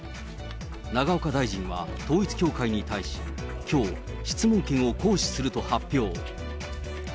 永岡大臣は統一教会に対し、きょう、質問権を行使すると発表。